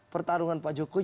pertarungan pak jokowi